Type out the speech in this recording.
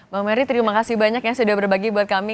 bang mary terima kasih banyak ya sudah berbagi buat kami